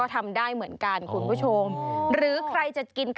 ก็ทำได้เหมือนกันคุณผู้ชม